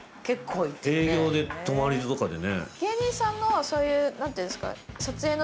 営業で泊まりとかでね。